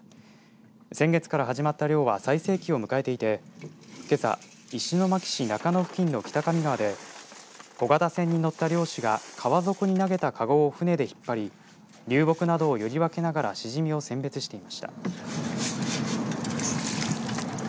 先月から始まった漁は最盛期を迎えていてけさ石巻市中野付近の北上川で小型船に乗った漁師が川底に投げた籠を船で引っ張り流木などをより分けながらシジミを選別していました。